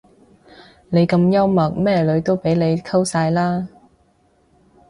你咁幽默咩女都俾你溝晒啦